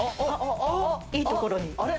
いいところに。